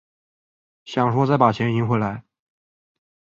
想说再把钱赢回来